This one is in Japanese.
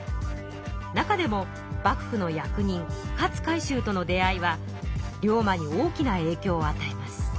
中でも幕府の役人勝海舟との出会いは龍馬に大きなえいきょうをあたえます。